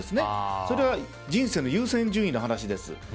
それは人生の優先順位の話です。